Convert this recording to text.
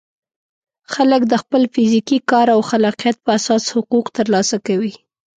خلک د خپل فزیکي کار او خلاقیت په اساس حقوق ترلاسه کوي.